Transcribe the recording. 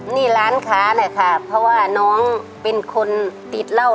นี่ร้านค้านะคะเพราะว่าน้องเป็นคนติดเหล้า